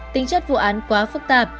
tính chất vụ án quá phức tạp